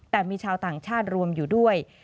แต่มีชาวต่างชาติรวมอยู่ด้วย